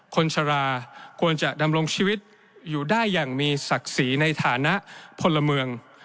ชราควรจะดำรงชีวิตอยู่ได้อย่างมีศักดิ์ศรีในฐานะพลเมือง